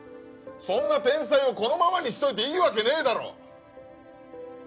そんな天才をこのままにしといていいわけねえだろ。